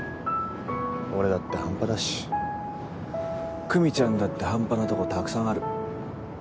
俺だって半端だし久美ちゃんだって半端なとこたくさんある。